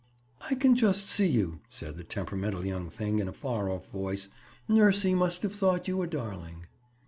"I can just see you," said the temperamental young thing in a far off voice. "Nursie must have thought you a darling."